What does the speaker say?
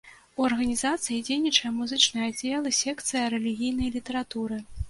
У арганізацыі дзейнічае музычны аддзел і секцыя рэлігійнай літаратуры.